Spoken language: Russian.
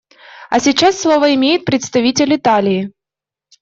А сейчас слово имеет представитель Италии.